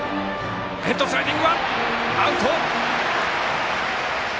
ヘッドスライディングはアウト！